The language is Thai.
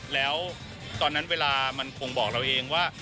แล้วตอนนั้นเวลามันคงบอกเราเองว่า